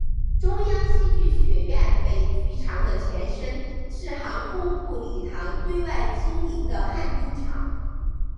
中央戏剧学院北剧场的前身是航空部礼堂对外经营的旱冰场。